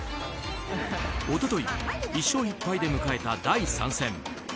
一昨日、１勝１敗で迎えた第３戦。